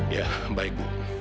ya baik bu